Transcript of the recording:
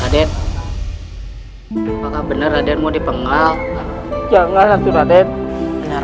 adek adek bener adek mau dipengal jangan hantu adek bener